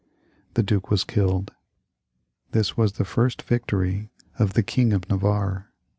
The Duke was killed, and this was the first victory of the King of Navarre.